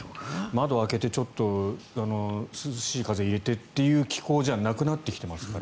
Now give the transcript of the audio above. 窓を開けて涼しい風を入れてっていう気候じゃなくなってきていますから。